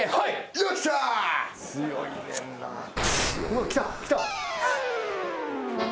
うわっ来た来た。